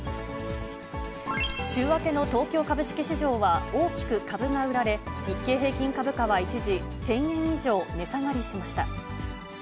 週明けの東京株式市場は大きく株が売られ、日経平均株価は一時、１０００円以上値下がりしました。